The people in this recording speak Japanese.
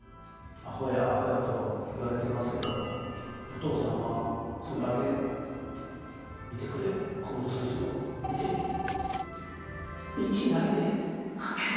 あほやあほやと言われてますけど「お父さんはこんだけ見てくれこの通知簿。見てみ」。